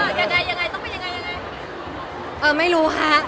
เออยังไงยังไงต้องไปยังไงยังไง